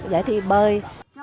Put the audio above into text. giải thi bơi